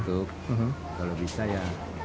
untuk kalau bisa ya